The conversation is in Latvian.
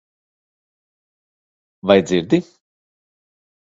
Vai dzirdi?